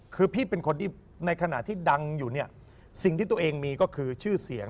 คือพี่เป็นคนที่ในขณะที่ดังอยู่เนี่ยสิ่งที่ตัวเองมีก็คือชื่อเสียง